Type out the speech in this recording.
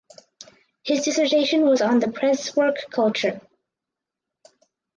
His dissertation was on the Przeworsk culture.